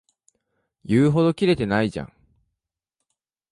言うほどキレてないじゃん